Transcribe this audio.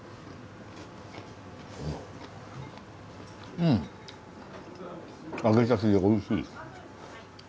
うん揚げたてでおいしい。